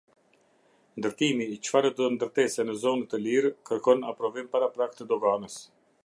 Ndërtimi i çfarëdo ndërtese në zonë të lire kërkon aprovim paraprak të Doganës.